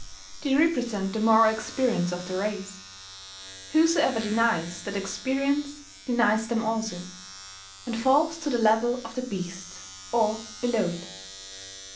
They represent the moral experience of the race: whosoever denies that experience denies them also, and falls to the level of the beast, or below it.